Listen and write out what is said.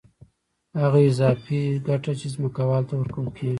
هغه اضافي ګټه چې ځمکوال ته ورکول کېږي